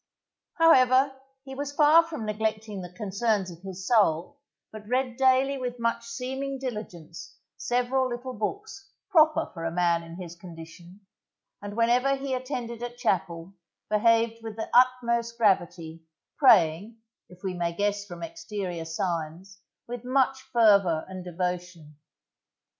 However, he was far from neglecting the concerns of his soul, but read daily with much seeming diligence several little books proper for a man in his condition, and whenever he attended at chapel behaved with the utmost gravity, praying, if we may guess from exterior signs, with much fervour and devotion.